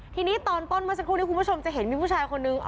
ทีนี้ตอนปั้นมากนี้คุณผู้ชมจะเห็นมีผู้ชายคนนึง